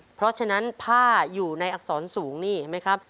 เพราะฉะนั้นผ้าอยู่ในอักษรสูงนี่เห็นไหมครับ